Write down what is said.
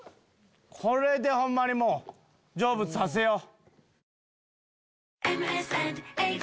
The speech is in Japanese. これでホンマにもう成仏させよう！